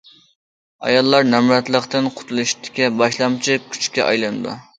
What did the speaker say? ئاياللار نامراتلىقتىن قۇتۇلۇشتىكى باشلامچى كۈچكە ئايلىنىدۇ.